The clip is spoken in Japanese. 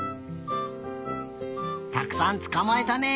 たくさんつかまえたね！